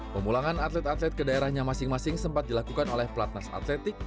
pemulangan atlet atlet ke daerahnya masing masing sempat dilakukan oleh platnas atletik